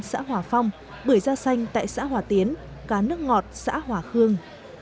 xã hòa phong bưởi da xanh tại xã hòa tiến cá nước ngọt xã hòa khương